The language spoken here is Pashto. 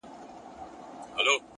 د لرې اورګاډي غږ د فضا خالي توب ښيي!.